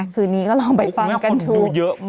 คืนนี้ก็ลองไปฟังกันทุกคุณแม่คนดูเยอะมาก